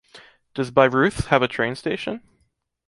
Does Bayreuth have a train station?